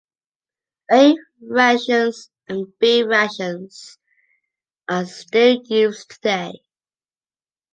A-rations and B-rations are still used today.